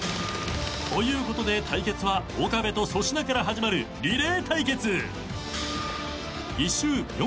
［ということで対決は岡部と粗品から始まるリレー対決］